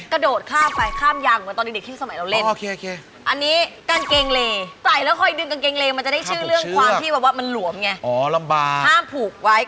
กระโดดข้ามไปข้ามยางเหมือนตอนเด็กที่สมัยเราเล่น